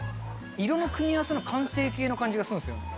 色の組み合わせの完成形な感じがするんですよね。